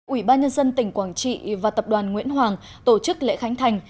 ủy ban nhân dân tỉnh quảng trị và tập đoàn nguyễn hoàng tổ chức lễ khánh thành